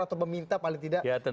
atau meminta paling tidak rapat pleno